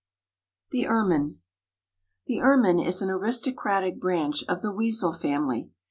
THE ERMINE. The Ermine is an aristocratic branch of the weasel family.